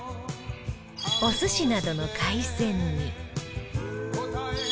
お寿司などの海鮮に